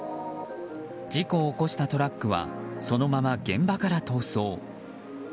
事故を起こしたトラックはそのまま現場から逃走。